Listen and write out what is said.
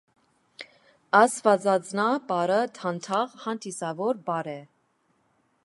«Աստվածածնա պարը» դանդաղ, հանդիսավոր պար է։